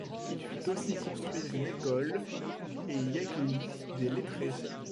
Il fit aussi construire une école et y accueillit des lettrés.